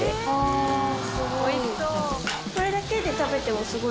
あすごい。